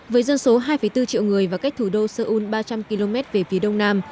với dân số hai bốn triệu người và cách thủ đô seoul ba trăm linh km về phía đông nam